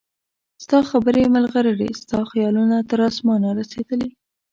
ستا خبرې مرغلرې ستا خیالونه تر اسمانه رسیدلي